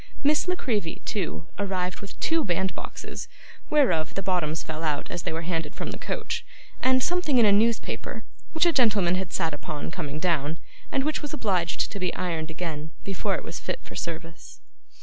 Miss La Creevy, too, arrived with two bandboxes (whereof the bottoms fell out as they were handed from the coach) and something in a newspaper, which a gentleman had sat upon, coming down, and which was obliged to be ironed again, before it was fit for service.